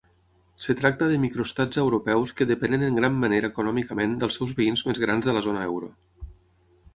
Es tracta de microestats europeus que depenen en gran manera econòmicament dels seus veïns més grans de la zona euro.